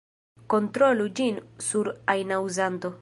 Kontrolu ĝin sur ajna uzanto.